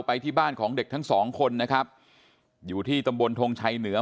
ที่บ้านของเด็กทั้งสองคนนะครับอยู่ที่ตำบลทงชัยเหนือ